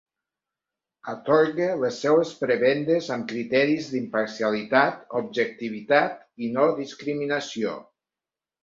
Atorgue les seues prebendes amb criteris d'imparcialitat, objectivitat i no discriminació.